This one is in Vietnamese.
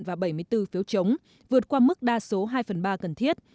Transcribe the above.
và bảy mươi bốn phiếu chống vượt qua mức đa số hai phần ba cần thiết